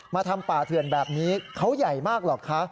ทำป่าเถื่อนแบบนี้เขาใหญ่มากหรอกคะ